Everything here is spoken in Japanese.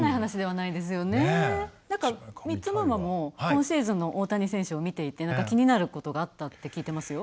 なんかミッツママも今シーズンの大谷選手を見ていて気になることがあったって聞いていますよ。